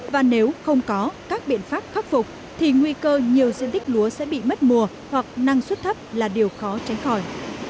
và nếu không có các biện pháp khắc phục thì nguy cơ nhiều diện tích lúa sẽ bị mất mùa hoặc năng suất thấp là điều khó tránh khỏi